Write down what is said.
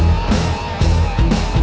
masih lu nunggu